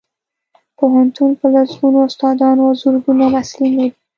پوهنتون په لسګونو استادان او زرګونه محصلین لري